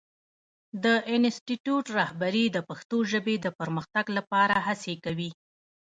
د انسټیټوت رهبري د پښتو ژبې د پرمختګ لپاره هڅې کوي.